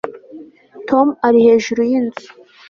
tom ari hejuru yinzu